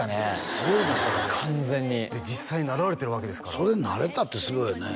すごいねそれ完全に実際なられてるわけですからそれなれたってすごいよね